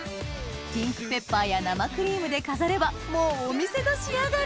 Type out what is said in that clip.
ピンクペッパーや生クリームで飾ればもうお店の仕上がり！